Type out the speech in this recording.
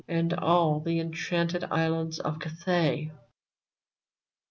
And all the enchanted islands of Cathay